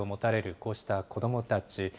こうした子どもたち。